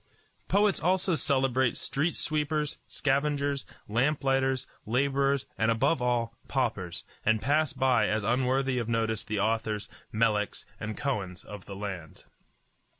Poets also celebrate street sweepers, scavengers, lamp lighters, laborers, and above all, paupers, and pass by as unworthy of notice the authors, Meleks, and Kohens of the land.